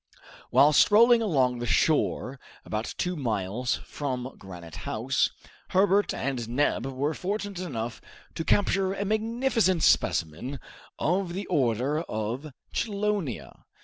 While strolling along the shore about two miles from Granite House, Herbert and Neb were fortunate enough to capture a magnificent specimen of the order of chelonia.